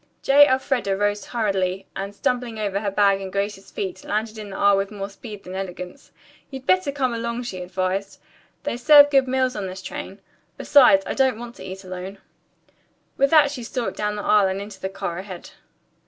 J. Elfreda rose hurriedly, and stumbling over her bag and Grace's feet, landed in the aisle with more speed than elegance. "You'd better come along," she advised. "They serve good meals on this train. Besides, I don't want to eat alone." With that she stalked down the aisle and into the car ahead.